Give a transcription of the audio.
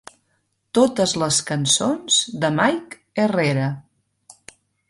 Totes les cançons de Mike Herrera.